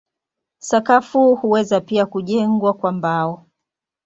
Sakafu huweza pia kujengwa kwa mbao.